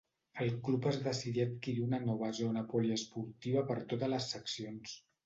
El club es decidí a adquirir una nova zona poliesportiva per totes les seccions.